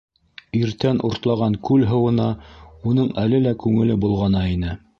- Иртән уртлаған күл һыуына уның әле лә күңеле болғана ине.